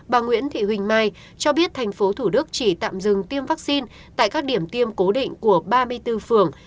bà nguyễn thị huỳnh mai cho biết tp thủ đức chỉ tạm dừng tiêm vaccine tại các điểm tiêm cố định của ba mươi bốn phường